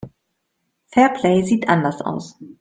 Fairplay sieht anders aus.